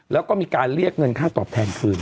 แล้วก็มีการเรียกเงินค่าตอบแทนคืน